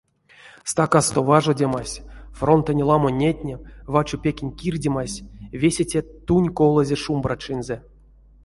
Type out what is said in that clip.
Стакасто важодемась, фронтонь ламо нетне, вачо пекень кирдемась — весе те тунь колызе шумбрачинзэ.